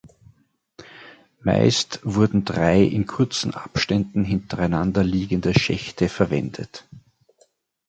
Meist wurden drei in kurzen Abständen hintereinanderliegende Schächte verwendet.